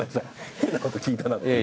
変なこと聞いたなっていう。